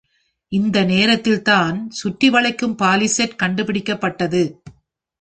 இந்த நேரத்தில்தான் சுற்றிவளைக்கும் பாலிசேட் கண்டுபிடிக்கப்பட்டது.